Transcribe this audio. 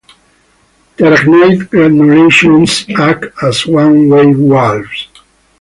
The arachnoid granulations act as one-way valves.